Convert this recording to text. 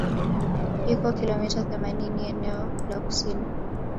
Iko kilomita themanini eneo la kusini